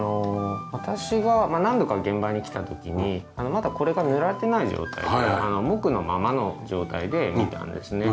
私が何度か現場に来た時にまだこれが塗られてない状態で木のままの状態で見たんですね。